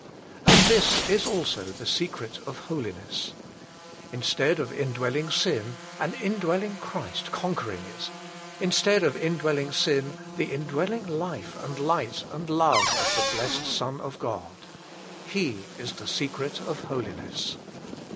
And this is also TTbe secret of f)o[fne00* Instead of indwelling sin, an indwelling Christ conquering it; instead of in dwelling sin, the indwelling life and light and love of the blessed Son of God. He is the secret of holiness.